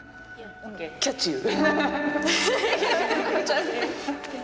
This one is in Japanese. キャッチユー。